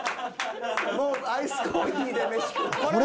もうアイスコーヒーで飯食う。